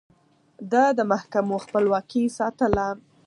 ده د محکمو خپلواکي ساتله.